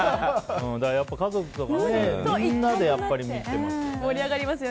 やっぱり、家族とかみんなで見てますね。